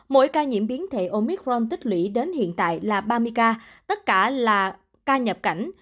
mỗi ca nhiễm biến thể omicron tích lũy đến hiện tại là ba mươi ca tất cả là ca nhập cảnh